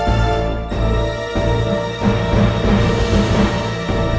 kamu akan selalu beautifulingsg